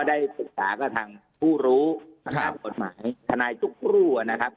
ได้ศึกษาก็ทางผู้รู้ทางภูมิฯคได้กรุหน้ารู้นะครับ